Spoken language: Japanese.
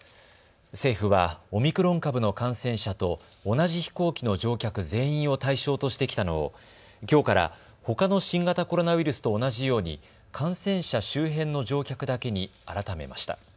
政府はオミクロン株の感染者と同じ飛行機の乗客全員を対象としてきたのをきょうから、ほかの新型コロナウイルスと同じように感染者周辺の乗客だけに改めました。